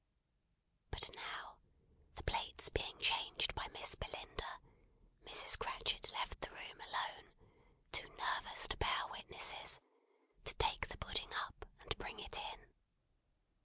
But now, the plates being changed by Miss Belinda, Mrs. Cratchit left the room alone too nervous to bear witnesses to take the pudding up and bring it in.